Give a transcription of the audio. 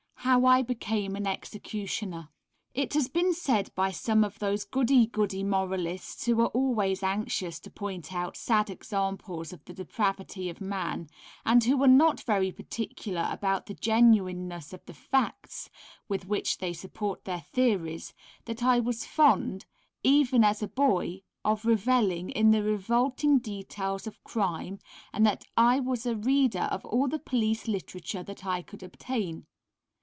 How I became an Executioner. It has been said by some of those goody goody moralists who are always anxious to point out sad examples of the depravity of man, and who are not very particular about the genuineness of the "facts" with which they support their theories, that I was fond, even as a boy, of revelling in the revolting details of crime, and that I was a reader of all the police literature that I could obtain.